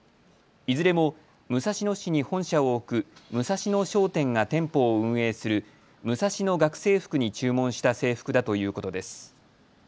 いずれも武蔵野市に本社を置くムサシノ商店が店舗を運営するムサシノ学生服に注文した制服だということです。